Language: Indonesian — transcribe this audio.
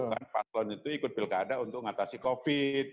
kan paslon itu ikut pilkada untuk mengatasi covid